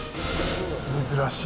珍しい。